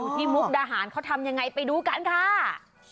ดูที่มุกธหารเค้าทำยังไงไปดูกันค่ะ